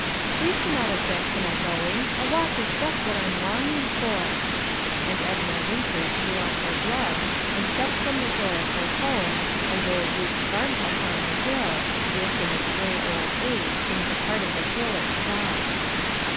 Please do not object to my going, a walk is just what I'm longing for;" and Edna Winters drew on her gloves and stepped from the door of her home, a low roofed farm house on the hill, which, in its gray old age, seemed a part of the hill itself.